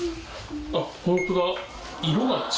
あっホントだ。